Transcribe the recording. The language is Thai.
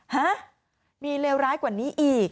ฮะมีเลวร้ายกว่านี้อีก